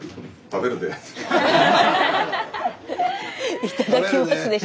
食べるで。